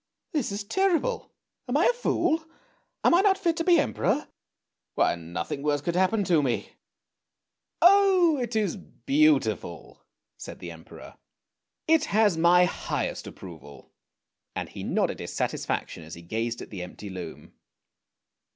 This is terrible! Am I a fool? Am I not fit to be Emperor? Why, nothing worse could happen to me! "" Oh, it is beautiful! " said the Emperor. " It has my highest approval! " and he nodded his satisfaction as he gazed at the empty loom.